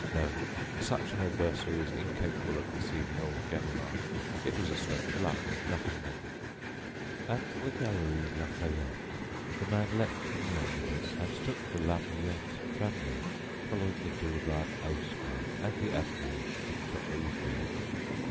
No, such an adversary was incapable of deceiving old Ganimard. It was a stroke of luck nothing more. At the Galleries Lafayette, the man leaped from the omnibus and took the La Muette tramway, following the boulevard Haussmann and the avenue Victor Hugo.